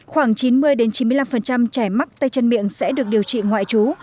khoảng chín mươi chín mươi năm trẻ mắc tay chân miệng sẽ được điều trị ngoại trú